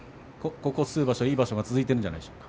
ここ数場所いい場所が続いてるんじゃないですか。